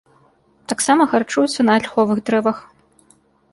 Таксама харчуюцца на альховых дрэвах.